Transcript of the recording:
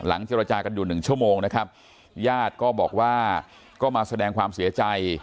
เจรจากันอยู่หนึ่งชั่วโมงนะครับญาติก็บอกว่าก็มาแสดงความเสียใจ